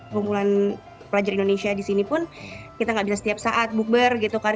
kumpulan pelajar indonesia di sini pun kita gak bisa setiap saat bukber gitu kan